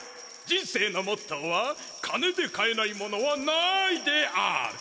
人生のモットーは「金で買えないものはない」である！